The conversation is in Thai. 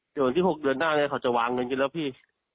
เดี๋ยววันที่๖เดือนหน้าเนี่ยเขาจะวางเงินกินแล้วพี่